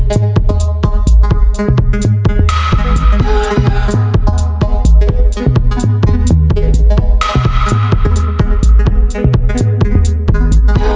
ada dua tentang pasangan